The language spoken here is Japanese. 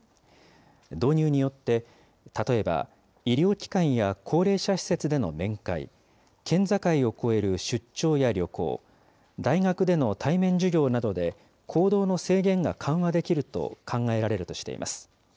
導入によって、例えば医療機関や高齢者施設での面会、県境を越える出張や旅行、大学での対面授業などで、行動の制限が緩和できると考えられるとしています。